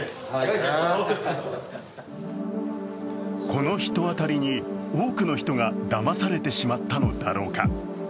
この人当たりに多くの人がだまされてしまったのだろうか。